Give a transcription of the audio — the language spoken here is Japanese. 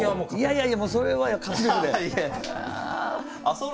いやいやそれは活力で。